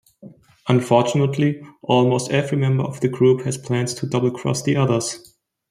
Unfortunately, almost every member of the group has plans to double-cross the others.